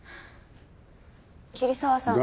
桐沢さん。